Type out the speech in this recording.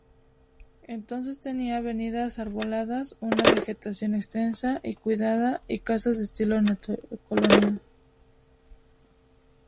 Entonces tenía avenidas arboladas, una vegetación extensa y cuidada y casas de estilo colonial.